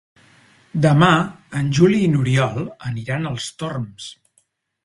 Demà en Juli i n'Oriol aniran als Torms.